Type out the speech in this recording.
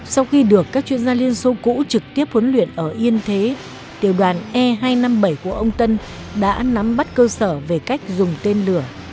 sau khi được các chuyên gia liên xô cũ trực tiếp huấn luyện ở yên thế tiểu đoàn e hai trăm năm mươi bảy của ông tân đã nắm bắt cơ sở về cách dùng tên lửa